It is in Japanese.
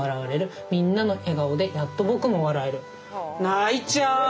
泣いちゃう。